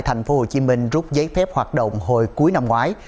thành phố hồ chí minh rút giấy phép hoạt động hồi cuối năm ngoái